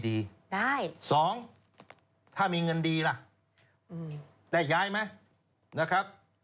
ได้สองถ้ามีเงินดีล่ะได้ย้ายไหมนะครับ